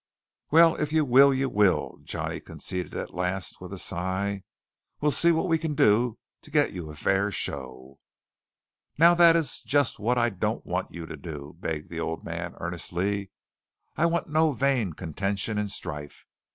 "Well, if you will, you will," Johnny conceded at last, with a sigh. "We'll see what we can do to get you a fair show." "Now that is just what I don't want you to do," begged the old man earnestly. "I want no vain contention and strife.